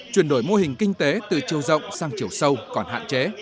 chuyển đổi mô hình kinh tế từ chiều rộng sang chiều sâu còn hạn chế